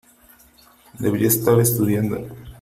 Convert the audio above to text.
Debería estar estudiando.